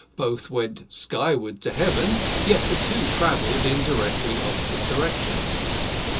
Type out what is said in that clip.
Both went skyward to heaven, yet the two travelled in directly opposite directions.